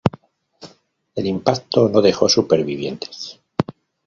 El impacto no dejó supervivientes.